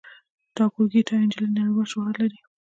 د ټاګور ګیتا نجلي نړیوال شهرت لري.